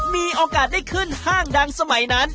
มีโอกาสได้ขึ้นห้างดังสมัยนั้น